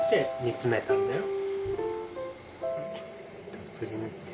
たっぷり塗って。